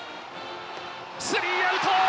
スリーアウト！